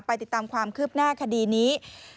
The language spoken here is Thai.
ติดตามความคืบหน้าคดีนี้